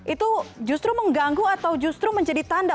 itu justru mengganggu atau justru menjadi tanda